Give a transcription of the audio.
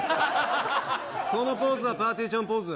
このポーズはぱーてぃーちゃんポーズ